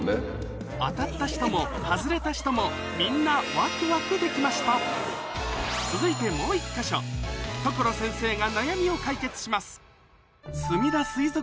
当たった人も外れた人もみんなワクワクできました続いてもう１か所所先生が悩みを解決します